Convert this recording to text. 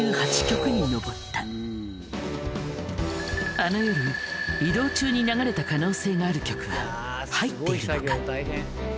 あの夜移動中に流れた可能性がある曲は入っているのか？